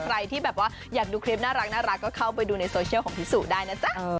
ใครที่แบบว่าอยากดูคลิปน่ารักก็เข้าไปดูในโซเชียลของพี่สุได้นะจ๊ะ